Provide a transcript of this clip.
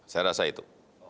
saya rasa itu